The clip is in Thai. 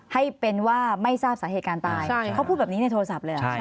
ให้เป็นว่าไม่ทราบสาเหตุการตายเขาพูดแบบนี้ในโทรศัพท์เลยเหรอ